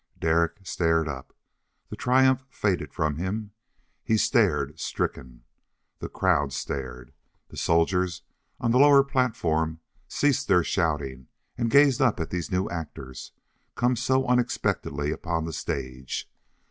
Derek stared up. The triumph faded from him. He stared, stricken. The crowd stared. The soldiers on the lower platform ceased their shouting and gazed up at these new actors, come so unexpectedly upon the stage.